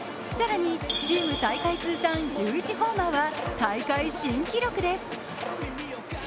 更に、チーム大会通算１１ホーマーは大会新記録です。